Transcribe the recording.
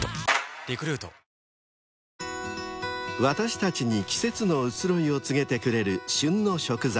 ［私たちに季節の移ろいを告げてくれる］